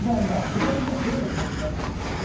具体的にはどんな気持ちだったんですか？